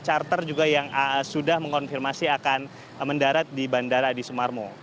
charter juga yang sudah mengkonfirmasi akan mendarat di bandara adi sumarmo